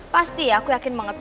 pasti ya aku yakin banget